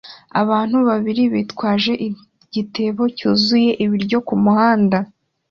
Abantu babiri bitwaje igitebo cyuzuye ibiryo kumuhanda